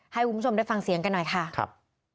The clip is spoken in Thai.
ให้คุณผู้ชมได้ฟังเสียงกันหน่อยค่ะครับ